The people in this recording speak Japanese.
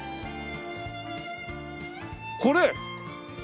これ！？